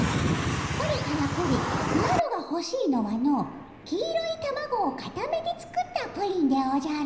これからくりマロがほしいのはの黄色いたまごをかためて作ったプリンでおじゃる！